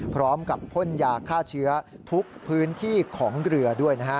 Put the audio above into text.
พร้อมกับพ่นยาฆ่าเชื้อทุกพื้นที่ของเรือด้วยนะฮะ